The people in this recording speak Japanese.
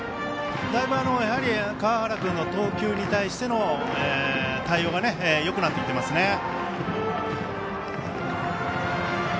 だいぶ川原君の投球に対しての対応がよくなってきていますね。